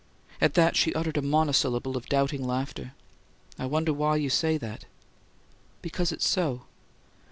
At that she uttered a monosyllable of doubting laughter. "I wonder why you say that." "Because it's so."